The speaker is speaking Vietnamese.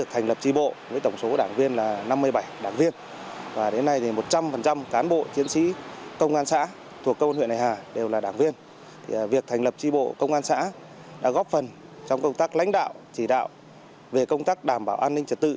thành lập tri bộ công an xã đã góp phần trong công tác lãnh đạo chỉ đạo về công tác đảm bảo an ninh trật tự